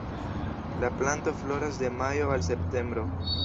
La planto floras de majo al septembro.